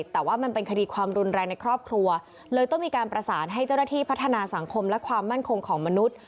แต่ว่ามันเป็นคดีความรุนแรงในครอบครัวเลยต้องมีการประสานให้เจ้าหน้าที่พัฒนาสังคมและความมั่นคงของมนุษย์